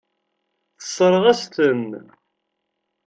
Tessṛeɣ-as-ten.